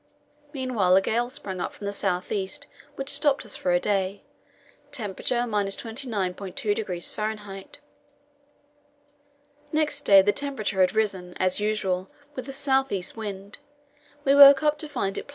Meanwhile a gale sprang up from the south east, which stopped us for a day; temperature, 29.2° F. Next day the temperature had risen, as usual, with a south east wind; we woke up to find it +15.